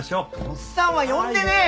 おっさんは呼んでねえよ！